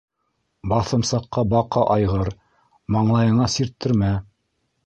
Баҫымсаҡҡа баҡа айғыр, маңлайыңа сирттермә!